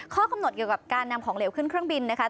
ข้อกำหนดเกี่ยวกับการนำของเหลวขึ้นเครื่องบินนะคะ